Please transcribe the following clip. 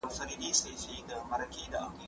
که وخت وي تمرين کوم